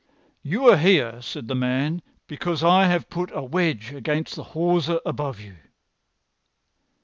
"You are here," said the man, "because I have put a wedge against the hawser above you."